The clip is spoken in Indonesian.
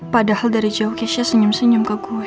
padahal dari jauh kisha senyum senyum ke gue